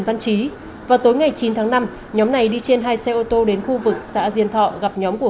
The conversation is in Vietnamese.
văn trí vào tối ngày chín tháng năm nhóm này đi trên hai xe ô tô đến khu vực xã diên thọ gặp nhóm của